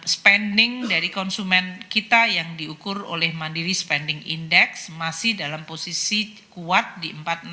spending dari konsumen kita yang diukur oleh mandiri spending index masih dalam posisi kuat di empat ratus enam puluh